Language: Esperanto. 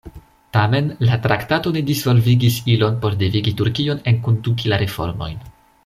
Tamen, la traktato ne disvolvigis ilon por devigi Turkion enkonduki la reformojn.